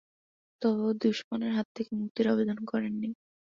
তবে দুশমনের হাত থেকে মুক্তির আবেদন করেননি।